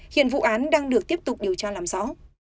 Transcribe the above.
hiện vụ án đang được tiếp tục điều tra làm rõ